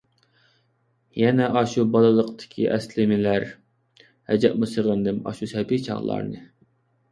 يەنە ئاشۇ بالىلىقتىكى ئەسلىمىلەر، ھەجەپمۇ سېغىندىم ئاشۇ سەبىي چاغلارنى...